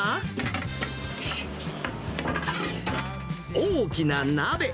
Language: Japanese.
大きな鍋。